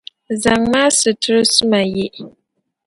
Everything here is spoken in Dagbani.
zaŋm’ a situr’ suma ye.